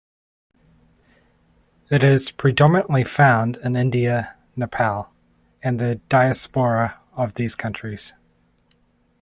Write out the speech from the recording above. It is predominantly found in India, Nepal and the diaspora of these countries.